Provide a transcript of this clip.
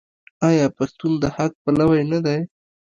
آیا پښتون د حق پلوی نه دی؟